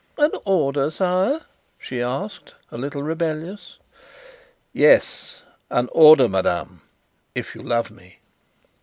"An order, sire?" she asked, a little rebellious. "Yes, an order, madame if you love me."